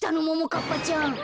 ももかっぱちゃん。